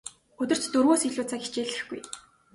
Өдөрт дөрвөөс илүү цаг хичээллэхгүй.